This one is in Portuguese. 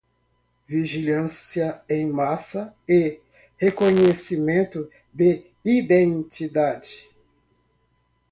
Vigilância em massa e reconhecimento de identidade